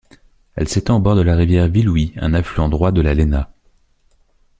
Elle s'étend au bord de la rivière Viliouï, un affluent droit de la Léna.